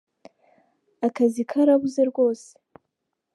Akazi karabuze rwose.